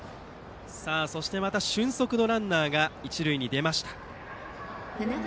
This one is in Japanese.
また俊足のランナーが一塁に出ました。